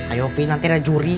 ayo pi nanti ada juri